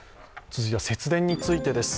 続いては節電についてです。